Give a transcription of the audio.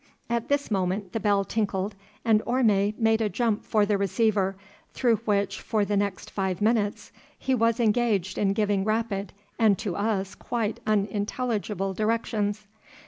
At this moment the bell tinkled, and Orme made a jump for the receiver through which for the next five minutes he was engaged in giving rapid and to us quite unintelligible directions.